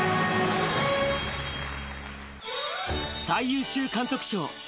最優秀監督賞。